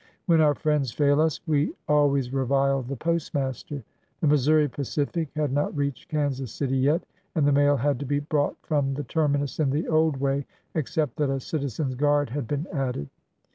When our friends fail us, we always revile the postmaster. The Missouri Pacific had not reached Kansas City yet, and the mail had to be brought from the terminus in the old way, except that a citizens' guard " had been added.